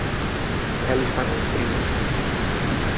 Ela está com frio.